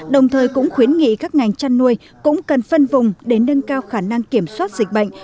đồng thời cũng khuyến nghị các ngành chăn nuôi cũng cần phân vùng để nâng cao khả năng kiểm soát dịch bệnh